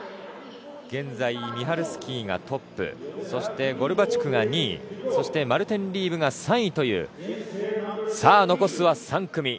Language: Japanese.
現在、ミハルスキーがトップそしてゴロバチュクが２位マルテン・リーブが３位という残すは３組。